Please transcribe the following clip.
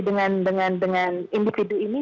dengan individu ini